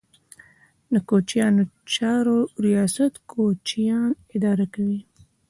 د کوچیانو چارو ریاست کوچیان اداره کوي